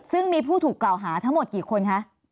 ซึ่งมีผู้ถูกกล่าวหาทั้งหมดกี่คนคะ